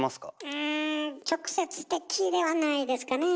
うん直接的ではないですかねぇ。